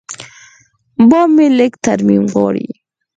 بام مې لږ ترمیم غواړي.